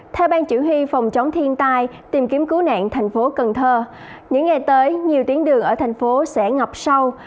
theo bang chủ y phòng chống thiên tai tìm kiếm cứu nạn thành phố cần thơ những ngày tới nhiều tuyến đường ở thành phố sẽ ngập sâu